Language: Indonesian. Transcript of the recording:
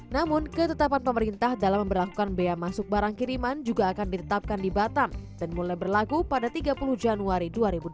namun ketetapan pemerintah dalam memperlakukan bea masuk barang kiriman juga akan ditetapkan di batam dan mulai berlaku pada tiga puluh januari dua ribu dua puluh